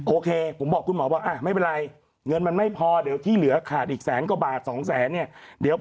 โอเคผมบอกคุณหมอบอกไม่เป็นไรเงินมันไม่พอเดี๋ยวที่เหลือขาดอีกแสนกว่าบาทสองแสนเนี่ยเดี๋ยว